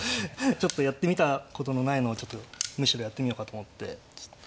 ちょっとやってみたことのないのをむしろやってみようかと思って。